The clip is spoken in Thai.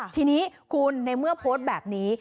ทีนี้คุณในเมื่อโพสต์แบบนี้